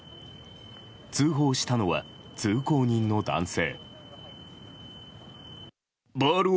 通報したのは通行人の男性。